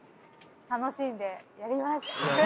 楽しんでやります！